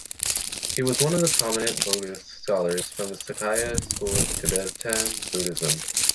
He was one of the prominent Buddhist scholars from the Sakya School of Tibetan Buddhism.